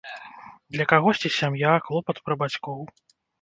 Для кагосьці сям'я, клопат пра бацькоў.